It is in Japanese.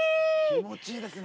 気持ちいいですね。